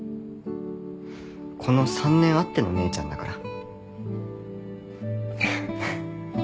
この３年あっての姉ちゃんだから。